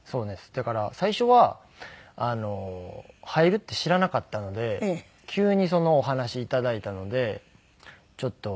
だから最初は入るって知らなかったので急にそのお話を頂いたのでちょっと。